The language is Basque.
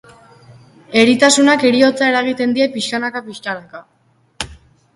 Eritasunak heriotza eragiten die pixkanaka-pixkanaka.